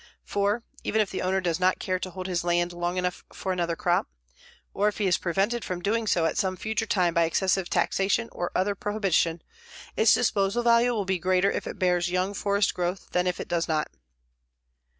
4. Even if the owner does not care to hold his land long enough for another crop, or if he is prevented from doing so at some future time by excessive taxation or other prohibition, its disposal value will be greater if it bears young forest growth than if it does not.